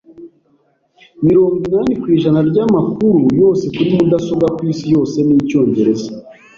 Mirongo inani kwijana ryamakuru yose kuri mudasobwa kwisi yose ni icyongereza